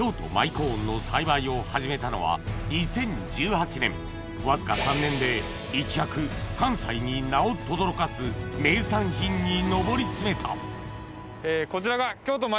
コーンの栽培を始めたのは２０１８年わずか３年で一躍関西に名をとどろかす名産品に上り詰めたこちらが京都舞